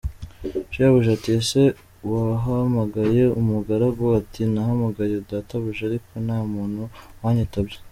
Shebuja ati “Ese wahamagaye ?” Umugaragu ati “Nahamagaye databuja, ariko nta muntu wanyitabye.